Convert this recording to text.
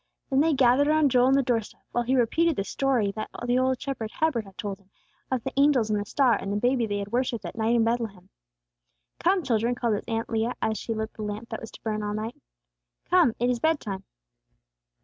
Then they gathered around Joel on the doorstep, while he repeated the story that the old shepherd Heber had told him, of the angels and the star, and the baby they had worshipped that night in Bethlehem. "Come, children," called his Aunt Leah, as she lit the lamp that was to burn all night. "Come! It is bed time!"